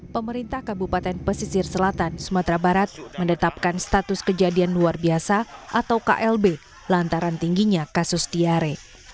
pemerintah kabupaten pesisir selatan sumatera barat menetapkan status kejadian luar biasa atau klb lantaran tingginya kasus diare